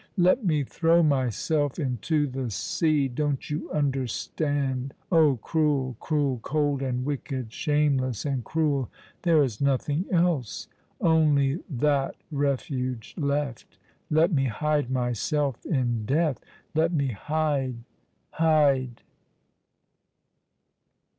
Let me throw myself into the sea! Don't you understand ? Oh, cruel ! cruel ! Cold and wicked, shameless and cruel ! There is nothing else — only that refuge left! Let me hide myself in death! let me hide— hide